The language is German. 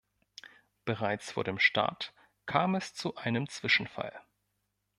Bereits vor dem Start kam es zu einem Zwischenfall.